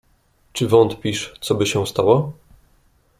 "Czy wątpisz, coby się stało?"